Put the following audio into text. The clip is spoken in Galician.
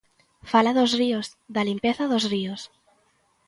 Fala dos ríos, da limpeza dos ríos.